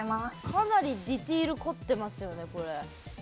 かなりディテールこってますね。